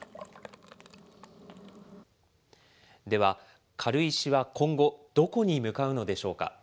では、軽石は今後、どこに向かうのでしょうか。